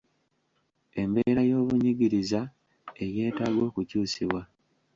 Embeera y’obunyigiriza eyeetaaga okukyusibwa